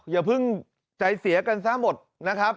อย่าเพิ่งใจเสียกันซะหมดนะครับ